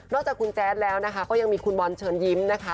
จากคุณแจ๊ดแล้วนะคะก็ยังมีคุณบอลเชิญยิ้มนะคะ